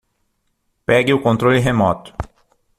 Pegue o controle remoto.